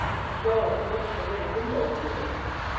"Go and look at the little window, dear!"